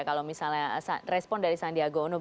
kalau misalnya respon dari sandiaga uno